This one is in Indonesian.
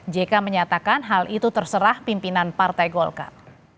jk menyatakan hal itu terserah pimpinan partai golkar